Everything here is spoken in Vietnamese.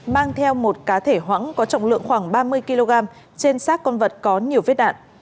mang theo một cá thể hoãng có trọng lượng khoảng ba mươi kg trên sát con vật có nhiều vết đạn